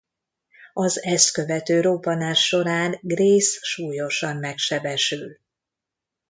Az ezt követő robbanás során Grace súlyosan megsebesül.